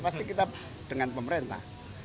pasti kita dengan pemerintah